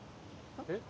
えっ？